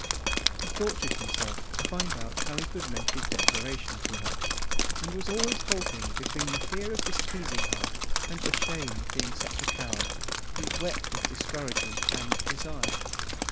He tortured himself to find out how he could make his declaration to her, and always halting between the fear of displeasing her and the shame of being such a coward, he wept with discouragement and desire.